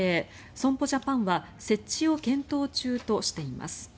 損保ジャパンは設置を検討中としています。